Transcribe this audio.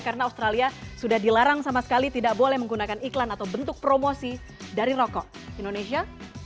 karena australia sudah dilarang sama sekali tidak boleh menggunakan iklan atau bentuk promosi dari rokok indonesia